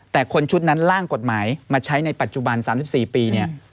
แต่คนชุดนั้นล่างกฎหมายมาใช้ในปัจจุบัน๓๔ปีเนี่ย